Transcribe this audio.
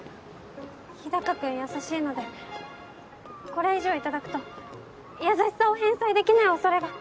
日高君優しいのでこれ以上頂くと優しさを返済できない恐れが。